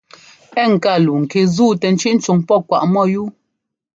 Ɛ́ ŋká luu ŋki zúu tɛ tsʉ́ꞌ cúŋ pɔ́ kwaꞌ mɔ́yúu.